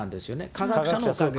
科学者のおかげで。